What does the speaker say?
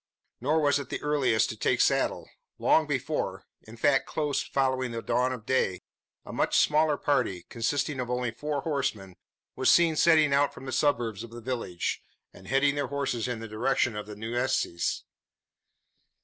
Nor was it the earliest to take saddle. Long before in fact close following the dawn of day a much smaller party, consisting of only four horsemen, was seen setting out from the suburbs of the village, and heading their horses in the direction of the Nueces.